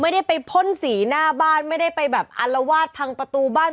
ไม่ได้ไปพ่นสีหน้าบ้านไม่ได้ไปแบบอารวาสพังประตูบ้าน